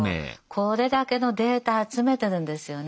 これだけのデータ集めてるんですよね。